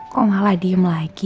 kejap selalu dingin dengan nanti